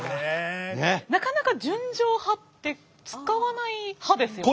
なかなか「純情派」って使わない派ですよね。